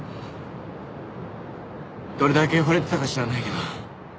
どれだけ惚れてたか知らないけど殺人ですよ。